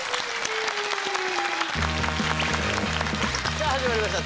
さあ始まりました